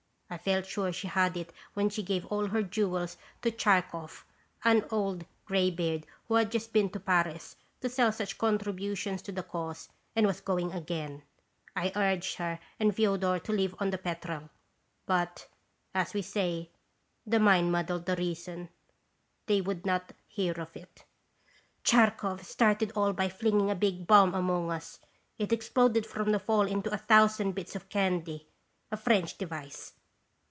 I felt sure she had it when she gave all her jewels to Tchartkoff, an old gray beard who had just been to Paris to sell such contribu tions to the Cause and was going again. I urged her and Fodor to leave on the Petrel ; but, as we say, the mind muddled the reason ; they would not hear of it. " Tchartkoff startled all by flinging a big bomb among us. It exploded from the fall into a thousand bits of candy a French device.